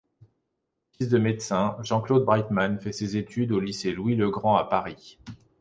Fils de médecin, Jean-Claude Breitman fait ses études au lycée Louis-le-Grand à Paris.